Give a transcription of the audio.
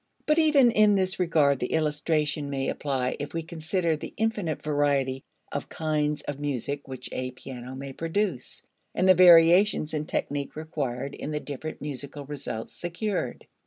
But even in this regard the illustration may apply if we consider the infinite variety of kinds of music which a piano may produce, and the variations in technique required in the different musical results secured.